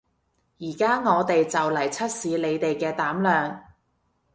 而家我哋就嚟測試你哋嘅膽量